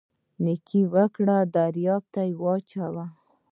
نیکي وکړئ په دریاب یې واچوئ